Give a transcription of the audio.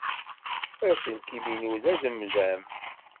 Aselkim-inu d ademdam.